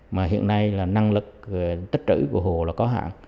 mà hiện nay là năng lực tích trữ của hồ là có hạn